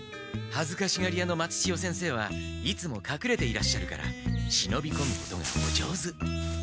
はずかしがり屋の松千代先生はいつもかくれていらっしゃるからしのびこむことがお上手。